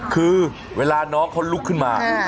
คือเวลาน้องเขาลุกขึ้นมา